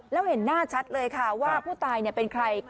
แล้วเห็นหน้าชัดเลยค่ะว่าผู้ตายเป็นใคร